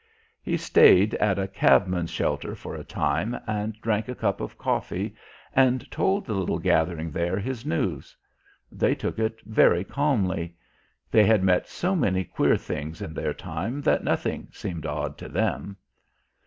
He stayed at a cabman's shelter for a time and drank a cup of coffee and told the little gathering there his news. They took it very calmly. They had met so many queer things in their time that nothing seemed odd to them.